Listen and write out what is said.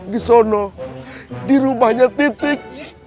disono dirumahnya titik